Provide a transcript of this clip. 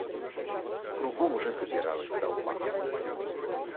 Кругом уже собиралась толпа.